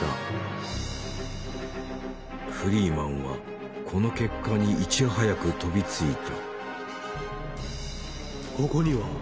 フリーマンはこの結果にいち早く飛びついた。